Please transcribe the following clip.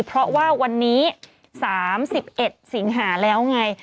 เพราะว่าวันนี้๓๑สิงหาแล้วไง